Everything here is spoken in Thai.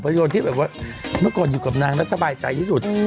โยนที่แบบว่าเมื่อก่อนอยู่กับนางแล้วสบายใจที่สุด